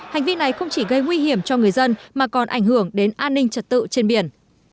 hành vi này không chỉ gây nguy hiểm cho người dân mà còn ảnh hưởng đến an ninh trật tự trên biển